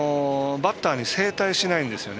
バッターに正対しないんですよね。